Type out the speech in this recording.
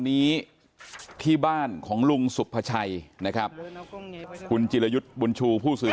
นี้ที่บ้านของลุงสุภาชัยนะครับคุณจิรยุทธ์บุญชูผู้สื่อ